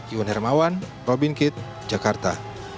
iwan hermawan robin kitt jakarta